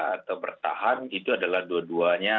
atau bertahan itu adalah dua duanya